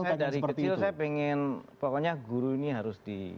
saya dari kecil saya pengen pokoknya guru ini harus di